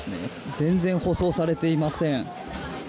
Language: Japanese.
全然、舗装されていません。